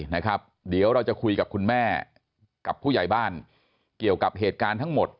นะครับเดี๋ยวเราจะคุยกับคุณแม่กับผู้ใหญ่บ้านเกี่ยวกับเหตุการณ์ทั้งหมด